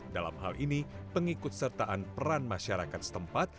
dalam hal ini pengikut sertaan peran masyarakat setempat